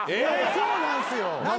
そうなんですよ